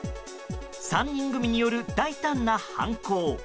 ３人組による大胆な犯行。